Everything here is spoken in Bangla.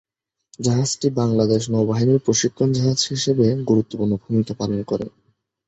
জাহাজটি বাংলাদেশ নৌবাহিনীর প্রশিক্ষণ জাহাজ হিসেবে গুরুত্বপূর্ণ ভূমিকা পালন করে।